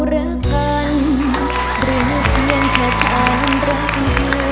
หรือเพียงแค่ฉันรักเธอ